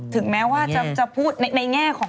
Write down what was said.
ถึงแม้ว่าจะพูดในแง่ของ